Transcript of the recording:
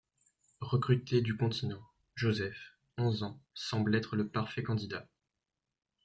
Recruté du continent, Joseph, onze ans, semble être le parfait candidat.